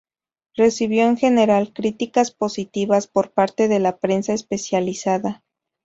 Recibió en general críticas positivas por parte de la prensa especializada.